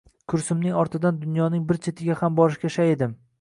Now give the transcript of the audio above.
Kursimning ortidan dunyoning bir chetiga ham borishga shay edim